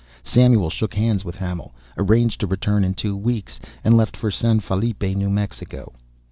Samuel shook hands with Hamil, arranged to return in two weeks, and left for San Felipe, New Mexico.